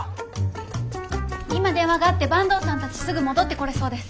今電話があって坂東さんたちすぐ戻ってこれそうです。